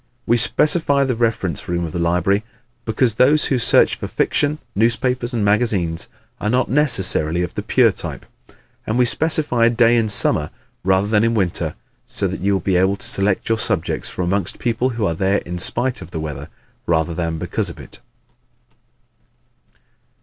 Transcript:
We specify the reference room of the library because those who search for fiction, newspapers and magazines are not necessarily of the pure type. And we specify a day in summer rather than in winter so that you will be able to select your subjects from amongst people who are there in spite of the weather rather than because of it.